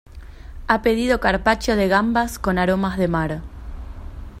Ha pedido carpaccio de gambas con aromas de mar.